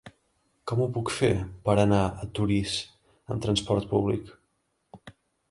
Com ho puc fer per anar a Torís amb transport públic?